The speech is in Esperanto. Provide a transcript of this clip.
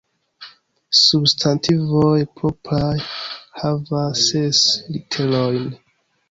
Substantivoj propraj havas ses literojn.